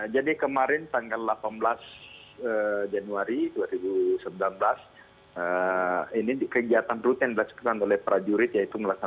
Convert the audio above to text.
jadi kemarin tanggal delapan belas januari dua ribu sembilan belas ini kegiatan rutin bersebutan oleh prajurit yaitu melaksanakan